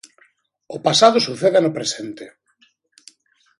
O pasado sucede no presente.